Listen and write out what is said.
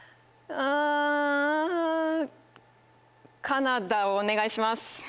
カナダお願いします。